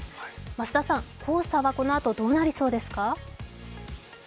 増田さん、黄砂はこのあとどうなりそうですか？